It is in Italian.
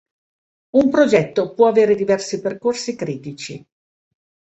Un progetto può avere diversi percorsi critici.